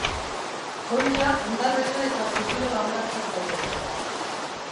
Kontxa, Ondarreta eta Zurriola hondartzak daude bertan.